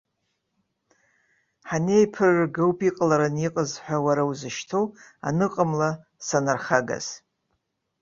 Ҳанеиԥырырга ауп иҟалараны иҟаз ҳәа уара узышьҭоу аныҟамла санархагаз.